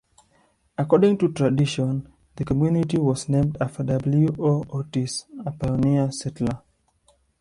According to tradition, the community was named after W. O. Otis, a pioneer settler.